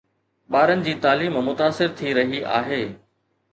ٻارن جي تعليم متاثر ٿي رهي آهي